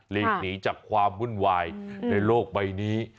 ลีกหนีจากความวุ่นวายในโลกใบนี้